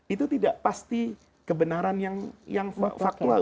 itu tidak pasti kebenaran yang faktual